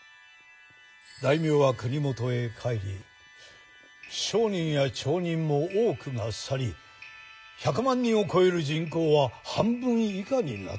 大名は国元へ帰り商人や町人も多くが去り１００万人を超える人口は半分以下になった。